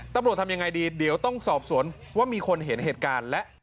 ตำรวจทำยังไงดีเดี๋ยวต้องสอบสวนว่ามีคนเห็นเหตุการณ์และ